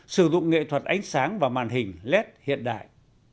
sử dụng nghệ thuật ánh sáng và màn hình led hiện đại